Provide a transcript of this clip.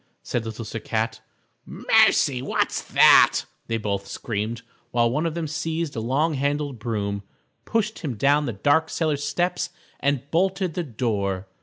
said Little Sir Cat. "Mercy! What's that?" they both screamed, while one of them seized a long handled broom, pushed him down the dark cellar steps and bolted the door.